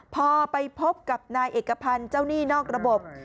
พอไปพบกับนายเอกพันธ์เจ้าหนี้นอกระบบ